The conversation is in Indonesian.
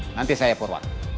nanti saya forward